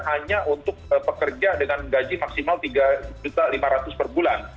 hanya untuk pekerja dengan gaji maksimal rp tiga lima ratus per bulan